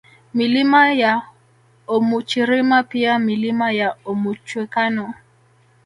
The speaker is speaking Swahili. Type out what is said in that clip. Milima ya Omuchirima pia Milima ya Omuchwekano